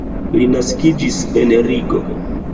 Li naskiĝis en Rigo.